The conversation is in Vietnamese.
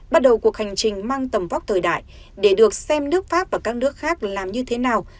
bắt đầu cuộc hành trình mang tầm vóc thời đại để được xem nước pháp và các nước khác làm như thế nào